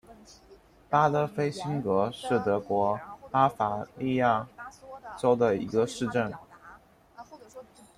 巴德菲辛格是德国巴伐利亚州的一个市镇。